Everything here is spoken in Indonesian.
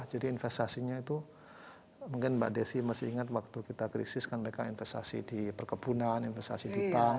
jadi investasinya itu mungkin mbak desi masih ingat waktu kita krisis kan mereka investasi di perkebunan investasi di bank